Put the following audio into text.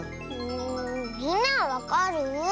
みんなはわかる？